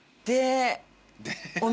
で。